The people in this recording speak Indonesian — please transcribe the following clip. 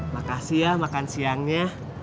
makasih ya makan siangnya